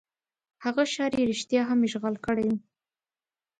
هغه ښار یې رښتیا هم اشغال کړی وو.